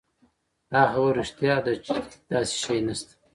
دا خبره رښتيا ده چې هېڅ داسې شی نشته.